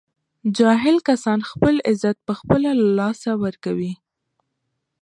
جاهل کسان خپل عزت په خپله له لاسه ور کوي